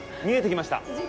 見えてきました。